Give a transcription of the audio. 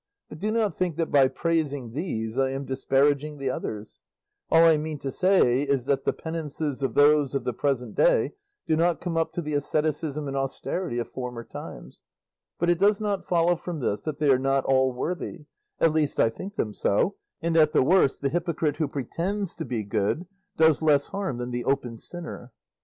But do not think that by praising these I am disparaging the others; all I mean to say is that the penances of those of the present day do not come up to the asceticism and austerity of former times; but it does not follow from this that they are not all worthy; at least I think them so; and at the worst the hypocrite who pretends to be good does less harm than the open sinner."